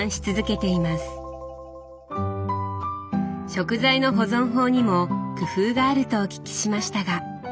食材の保存法にも工夫があるとお聞きしましたが。